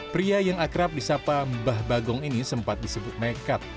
pria yang akrab di sapa mbah bagong ini sempat disebut nekat